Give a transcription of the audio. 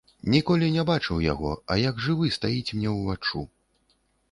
Ніколі не бачыў яго, а як жывы стаіць мне ўваччу.